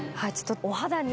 お肌に。